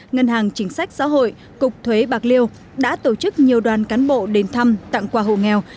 ngân hàng chính sách xã hội cục thuế bạc liêu đã tổ chức nhiều đoàn cán bộ đến thăm tặng quà hộ nghèo